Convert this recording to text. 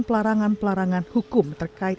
pelarangan pelarangan hukum terkait